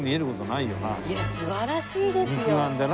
いや素晴らしいですよ。